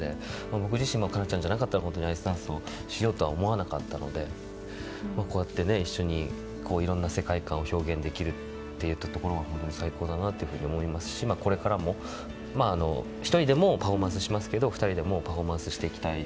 僕自身も哉中ちゃんじゃなかったらアイスダンスをしようと思わなかったのでこうやって一緒にいろんな世界観を表現できるというところは最高だなと思いますしこれからも１人でもパフォーマンスしますけど２人でもパフォーマンスしていきたい。